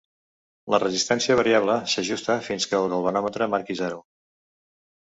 La resistència variable s'ajusta fins que el galvanòmetre marqui zero.